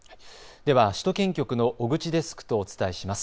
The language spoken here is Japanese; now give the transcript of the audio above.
では首都圏局の小口デスクとお伝えします。